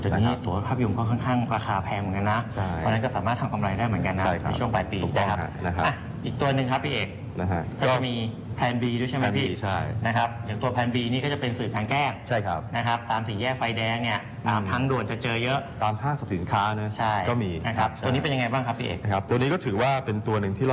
แต่ตัวภาพยนตร์ก็ค่อนข้างราคาแพงเหมือนกันนะ